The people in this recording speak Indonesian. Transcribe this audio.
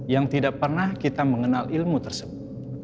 yang tidak pernah kita mengenal ilmu tersebut